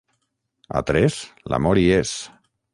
A tres, l'amor hi és.